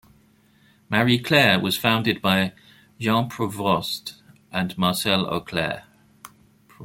"Marie Claire" was founded by Jean Prouvost and Marcelle Auclair.